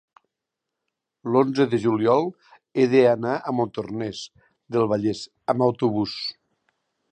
l'onze de juliol he d'anar a Montornès del Vallès amb autobús.